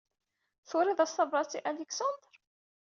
Turiḍ-as tabṛat i Alexander?